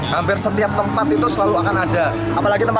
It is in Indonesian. hampir setiap tempat itu selalu akan ada apalagi tempat kayak taman bungkul gini